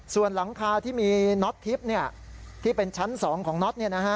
ส่วนหลังคาที่มีน็อตทิพย์ที่เป็นชั้น๒ของน็อต